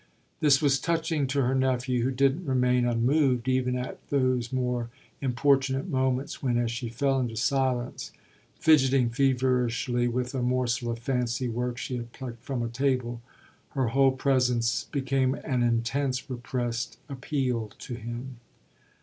This was touching to her nephew, who didn't remain unmoved even at those more importunate moments when, as she fell into silence, fidgeting feverishly with a morsel of fancy work she had plucked from a table, her whole presence became an intense, repressed appeal to him.